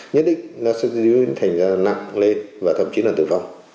nhất định nó sẽ diễn thành ra nặng lên và thậm chí là tử vong